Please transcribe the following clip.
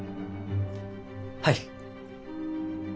はい。